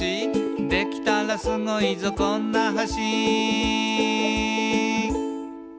「できたらスゴいぞこんな橋」